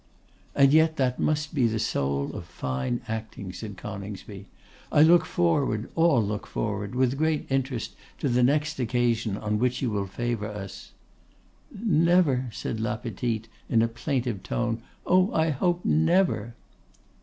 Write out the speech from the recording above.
'And yet that must be the soul of fine acting,' said Coningsby; 'I look forward, all look forward, with great interest to the next occasion on which you will favour us.' 'Never!' said La Petite, in a plaintive tone; 'oh, I hope, never!